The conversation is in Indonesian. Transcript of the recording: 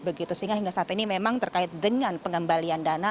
sehingga hingga saat ini memang terkait dengan pengembalian dana